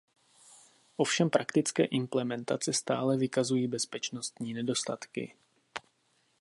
Ovšem praktické implementace stále vykazují bezpečnostní nedostatky.